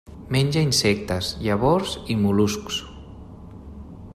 Menja insectes, llavors i mol·luscs.